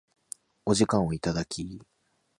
お時間をいただき